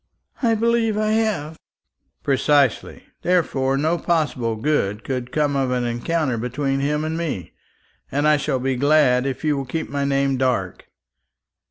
"I believe I have." "Precisely. Therefore no possible good could come of an encounter between him and me, and I shall be glad if you will keep my name dark."